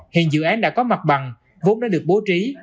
hiện dự án đã có mặt bằng vốn đã được bố trí